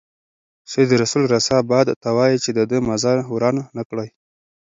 سید رسول رسا باد ته وايي چې د ده مزار وران نه کړي.